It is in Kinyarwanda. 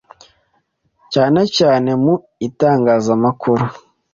cyane cyane mu itangazamakuru